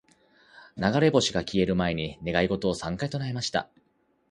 •流れ星が消える前に、願い事を三回唱えました。